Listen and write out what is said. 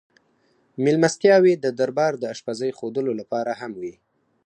مېلمستیاوې د دربار د اشپزۍ ښودلو لپاره هم وې.